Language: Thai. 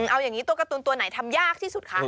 เอาอย่างนี้ตัวการ์ตูนตัวไหนทำยากที่สุดคะ